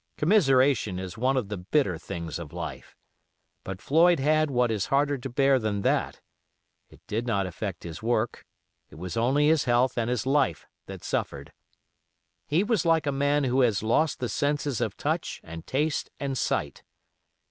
Commiseration is one of the bitter things of life. But Floyd had what is harder to bear than that. It did not affect his work. It was only his health and his life that suffered. He was like a man who has lost the senses of touch and taste and sight.